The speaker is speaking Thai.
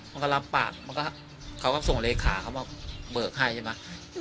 มันก็รับปากมันก็เขาก็ส่งเลขาเขามาเบิกให้ใช่ไหม